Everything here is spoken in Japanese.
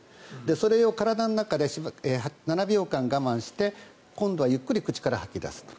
それを体の中で７秒間我慢して今度はゆっくり口から吐き出すと。